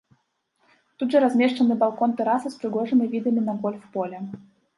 Тут жа размешчаны балкон-тэраса з прыгожымі відамі на гольф-поле.